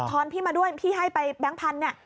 อนพี่มาด้วยพี่ให้ไปแบงค์พันธุ์เนี่ย